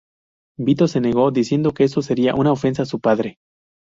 Vito se negó, diciendo que esto sería una ofensa a su padre.